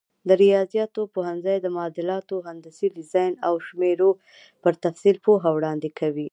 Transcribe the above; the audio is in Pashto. د ریاضیاتو پوهنځی د معادلاتو، هندسي ډیزاین او شمېرو پر تفصیل پوهه وړاندې کوي.